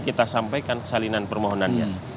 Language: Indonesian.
kita sampaikan salinan permohonannya